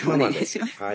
はい。